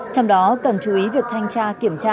trong đó cần chú ý việc thanh tra kiểm tra